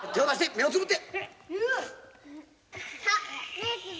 目をつぶって」